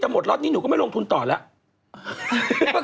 แต่หมดล็อตนี้หนูก็ไม่ลงทุนต่อแล้ว